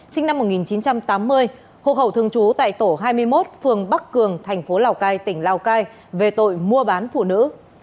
sinh năm một nghìn chín trăm tám mươi hộ khẩu thường trú tại tổ hai mươi một phường bắc cường thành phố lào cai tỉnh lào cai về tội mua bán phụ nữ